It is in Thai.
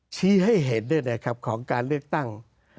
ชี้ให้เห็นด้วยนะครับของการเลือกตั้ง